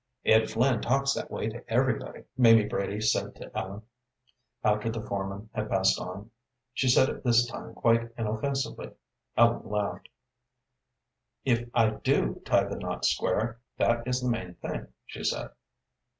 "Ed Flynn talks that way to everybody," Mamie Brady said to Ellen, after the foreman had passed on. She said it this time quite inoffensively. Ellen laughed. "If I do tie the knots square, that is the main thing," she said.